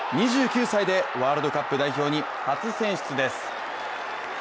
２９歳でワールドカップ代表に初選出です。